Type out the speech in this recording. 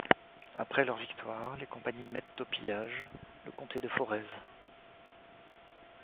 Après leur victoire les compagnies mettent au pillage le comté de Forez.